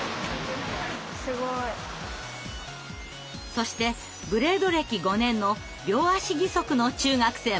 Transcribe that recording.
そしてブレード歴５年の両足義足の中学生も。